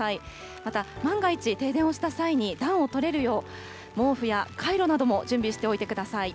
また、万が一、停電をした際に暖をとれるよう、毛布やカイロなども準備しておいてください。